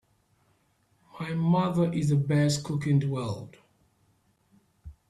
My mother is the best cook in the world!